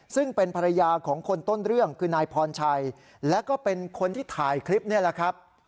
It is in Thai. ซึ่งเป็นภรรยาของคนต้นเรื่องคือนายพรชัยแล้วก็เป็นคนที่ถ่ายคลิปนี่แหละครับ